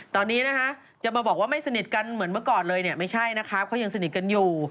ตอนนี้นะคะจะมาบอกว่าไม่สนิทกันเหมือนเมื่อก่อนเลยเนี่ยไม่ใช่นะคะเขายังสนิทกันอยู่